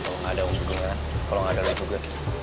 kalau gak ada om dungan kalau gak ada lo juga